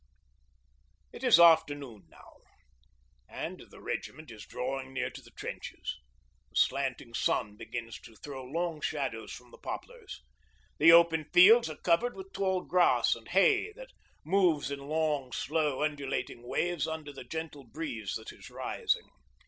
It is afternoon now, and the regiment is drawing near to the trenches. The slanting sun begins to throw long shadows from the poplars. The open fields are covered with tall grass and hay that moves in long, slow, undulating waves under the gentle breeze that is rising.